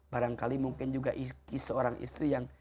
barangkali mungkin juga seorang istri yang